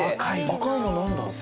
赤いの何だ？